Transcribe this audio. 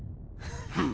フッ。